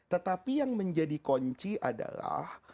tetapi yang menjadi kunci adalah